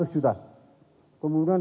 lima ratus juta kemudian